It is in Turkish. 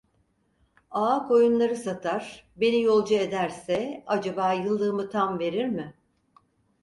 Ağa koyunları satar, beni yolcu ederse, acaba yıllığımı tam verir mi?